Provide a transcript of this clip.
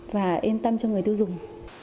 và yên tâm cho người tiêu dùng